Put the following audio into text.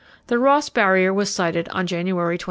The Ross Barrier was sighted on January 23.